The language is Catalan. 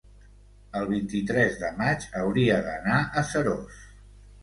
el vint-i-tres de maig hauria d'anar a Seròs.